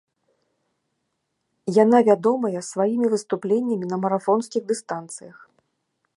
Яна вядомая сваімі выступленнямі на марафонскіх дыстанцыях.